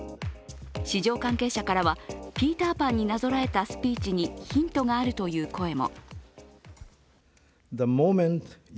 市場関係者からは「ピーター・パン」になぞらえたスピーチにヒントがあるという声も。